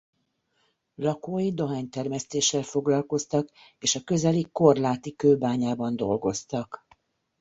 Lakói dohánytermesztéssel foglalkoztak és a közeli korláti kőbányában dolgoztak.